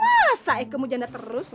masa kamu janda terus